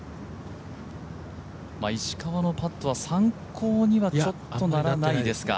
石川のパットは参考にはちょっとならないですか。